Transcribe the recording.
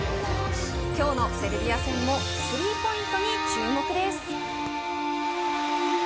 今日のセルビア戦もスリーポイントに注目です。